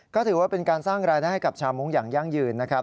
ก็ถือว่าเป็นการสร้างรายได้ให้กับชาวมุ้งอย่างยั่งยืนนะครับ